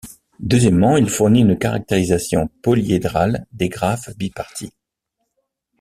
Deuxièmement, il fournit une caractérisation polyédrale des graphes bipartis.